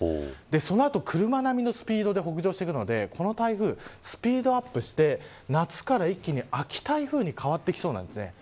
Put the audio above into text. その後、車並みのスピードで北上していくのでこの台風、スピードアップして夏から一気に秋台風に変わってきそうなんです。